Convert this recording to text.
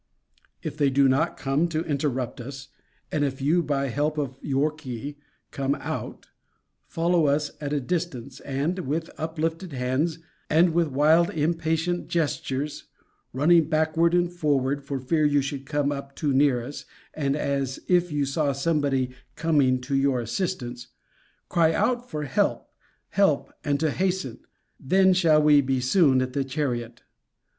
If they do not come to interrupt us, and if you, by help of your key, come out, follow us at a distance; and, with uplifted hands, and wild impatient gestures, (running backward and forward, for fear you should come up too near us, and as if you saw somebody coming to your assistance,) cry out for help, help, and to hasten. Then shall we be soon at the chariot.